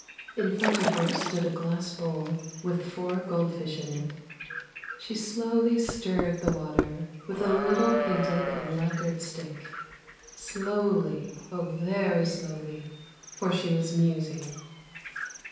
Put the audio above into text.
In front of her stood a glass bowl with four gold fish in it; she slowly stirred the water with a little painted and lacquered stick, slowly, oh very slowly, for she was musing.